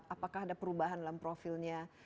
apakah ada perubahan dalam profilnya